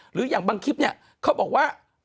หรืออย่างบางคลิปเนี่ยเขาบอกว่า